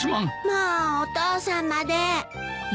もうお父さんまで。